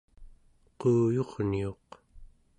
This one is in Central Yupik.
quuyurniuq